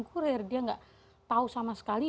kurir dia nggak tahu sama sekali